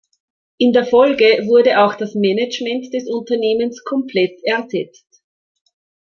In der Folge wurde auch das Management des Unternehmens komplett ersetzt.